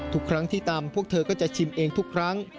ทุกครั้งที่ตำพวกเธอก็จะชิมเองทุกครั้ง